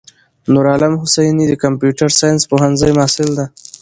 نورعالم حسیني دکمپیوټر ساینس پوهنځی محصل ده.